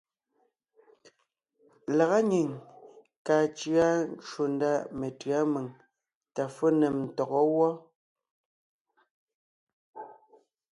Lagá nyìŋ kàa cʉa ncwò ndá metʉ̌a mèŋ tà fó nèm ntɔgɔ́ wɔ́.